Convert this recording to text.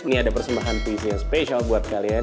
ini ada persembahan visi yang spesial buat kalian